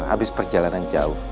habis perjalanan jauh